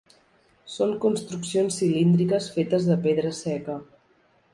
Són construccions cilíndriques fetes de pedra seca.